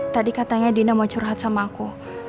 tadi katanya dina mau curhat sama aku